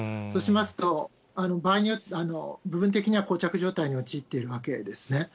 そうしますと、部分的なこう着状態に陥ってるわけですね。